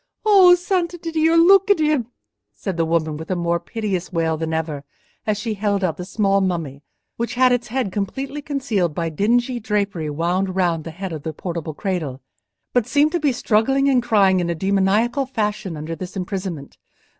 "O Santiddio! look at him," said the woman, with a more piteous wail than ever, as she held out the small mummy, which had its head completely concealed by dingy drapery wound round the head of the portable cradle, but seemed to be struggling and crying in a demoniacal fashion under this imprisonment.